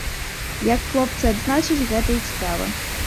Як хлопцы адзначаць, гэта іх справа.